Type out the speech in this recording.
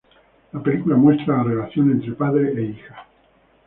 La película muestra la relación entre padre e hija.